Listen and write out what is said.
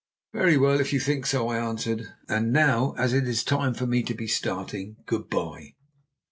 "Very well, if you think so," I answered. "And now, as it is time for me to be starting, good bye."